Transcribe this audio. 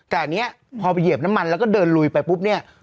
แต่อันนี้พอไปเหยียบน้ำมันแล้วก็เดินลุยไปปุ๊บเนี่ย